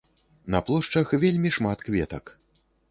На плошчах вельмі шмат кветак.